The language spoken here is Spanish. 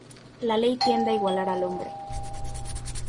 La ley tiende a igualar al hombre.